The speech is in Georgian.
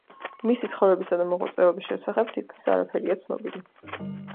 მისი ცხოვრებისა და მოღვაწეობის შესახებ თითქმის არაფერია ცნობილი.